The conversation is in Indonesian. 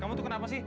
kamu tuh kenapa sih